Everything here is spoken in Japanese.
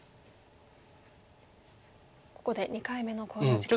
ここで２回目の考慮時間ですね。